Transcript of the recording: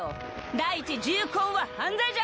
第一重婚は犯罪じゃ。